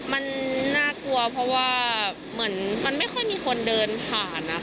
มันน่ากลัวเพราะว่าเหมือนมันไม่ค่อยมีคนเดินผ่าน